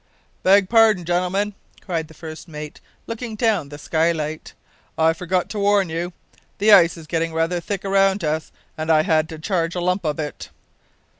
"Beg pardon, gentlemen," cried the first mate, looking down the skylight. "I forgot to warn you. The ice is getting rather thick around us, and I had to charge a lump of it."